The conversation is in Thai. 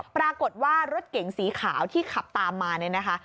ปรากฏว่ารถเก๋งสีขาวที่ขับตามมาเนี่ยนะคะ